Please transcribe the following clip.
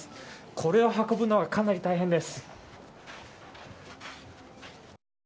これを運ぶのはかなり大変です。